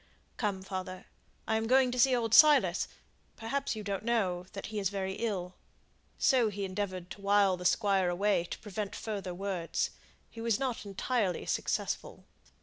Come, father! I am going to see old Silas perhaps you don't know that he is very ill." So he endeavoured to wile the Squire away to prevent further words. He was not entirely successful.